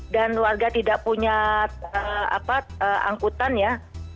dan warga tidak punya angkutan ya